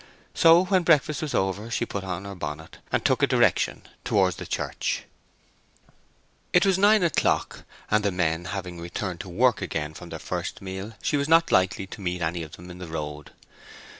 So when breakfast was over, she put on her bonnet, and took a direction towards the church. It was nine o'clock, and the men having returned to work again from their first meal, she was not likely to meet many of them in the road.